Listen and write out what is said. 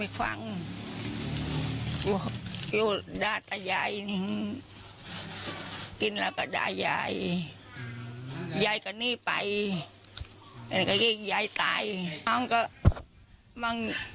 ก็อยากเสียอิงอ้ายเขา